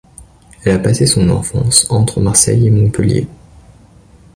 Elle a passé son enfance entre Marseille et Montpellier.